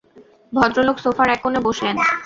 ভদ্রলোক সোফার এক কোণে বসলেন।